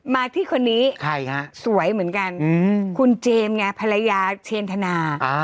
มาที่คนนี้ใครฮะสวยเหมือนกันคุณเจมส์ไงภรรยาเชนธนา